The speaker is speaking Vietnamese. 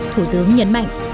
thủ tướng nhấn mạnh